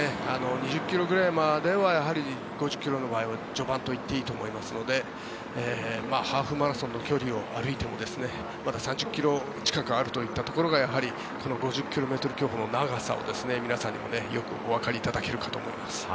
２０ｋｍぐらいまではやはり５０ｋｍの場合は序盤といっていいと思いますのでハーフマラソンの距離を歩いてもまだ３０ｋｍ近くあるといったところがやはりこの５０ｋｍ競歩の長さを皆さんにもよくおわかりいただけるかと思います。